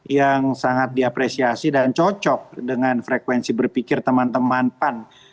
yang sangat diapresiasi dan cocok dengan frekuensi berpikir teman teman pan